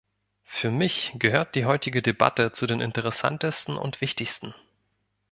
Für mich gehört die heutige Debatte zu den interessantesten und wichtigsten.